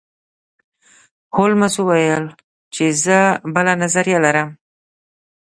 هولمز وویل چې زه بله نظریه لرم.